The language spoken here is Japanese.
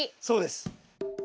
そうです。